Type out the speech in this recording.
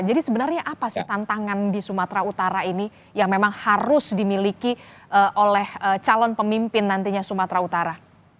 jadi sebenarnya apa sih tantangan di sumatera utara ini yang memang harus dimiliki oleh calon pemimpin nantinya sumatera utara